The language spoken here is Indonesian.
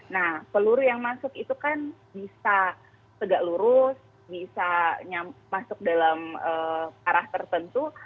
nah peluru yang masuk itu kan bisa tegak lurus bisa masuk dalam arah tertentu